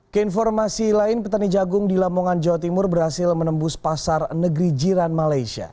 keinformasi lain petani jagung di lamongan jawa timur berhasil menembus pasar negeri jiran malaysia